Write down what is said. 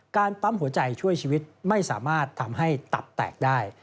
ปั๊มหัวใจช่วยชีวิตไม่สามารถทำให้ตับแตกได้